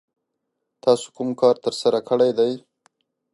تاسو کوم کار ترسره کړی دی؟